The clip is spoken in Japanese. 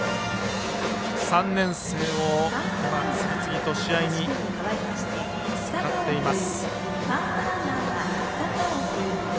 ３年生を次々と試合に使っています。